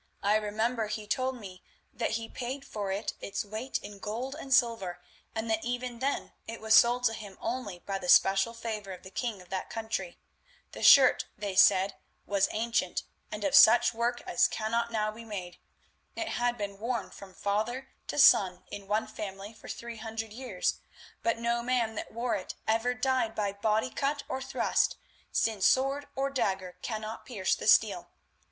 I remember he told me that he paid for it its weight in gold and silver, and that even then it was sold to him only by the special favour of the king of that country. The shirt, they said, was ancient, and of such work as cannot now be made. It had been worn from father to son in one family for three hundred years, but no man that wore it ever died by body cut or thrust, since sword or dagger cannot pierce that steel.